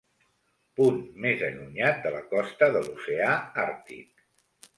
Punt més allunyat de la costa de l'oceà Àrtic.